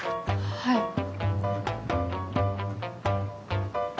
はい。